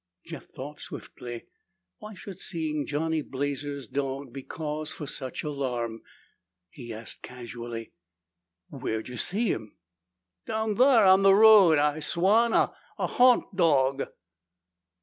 Jeff thought swiftly. Why should seeing Johnny Blazer's dog be cause for such alarm? He asked casually, "Where'd you see him?" "Down thar on the raoad! I swan a ha'nt dog!"